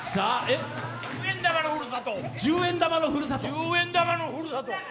十円玉のふるさと。